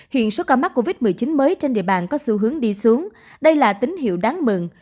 hiện số ca mắc covid một mươi chín mới trên địa bàn có xu hướng đi xuống đây là tín hiệu đáng mừng